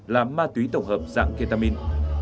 là ma túy tổng hợp dạng ketamin